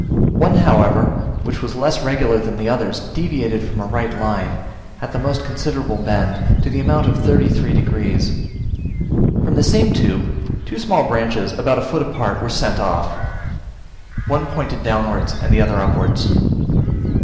One, however, which was less regular than the others, deviated from a right line, at the most considerable bend, to the amount of thirty three degrees. From this same tube, two small branches, about a foot apart, were sent off; one pointed downwards, and the other upwards.